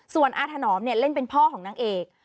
ส่วนอาถนอมเนี่ยเล่นเป็นพ่อของนางเอก